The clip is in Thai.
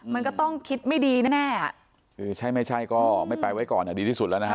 มันก็ต้องคิดไม่ดีแน่คือใช่ไม่ใช่ก็ไม่ไปไว้ก่อนอ่ะดีที่สุดแล้วนะฮะ